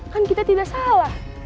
kan kita tidak salah